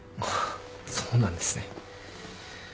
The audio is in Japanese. あっそうなんですね。